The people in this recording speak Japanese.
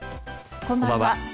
こんばんは。